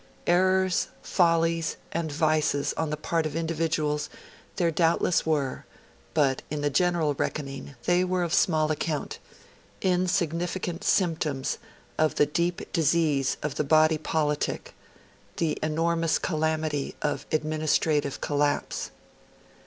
Errors, follies, and vices on the part of individuals there doubtless were; but, in the general reckoning, they were of small account insignificant symptoms of the deep disease of the body politic to the enormous calamity of administrative collapse.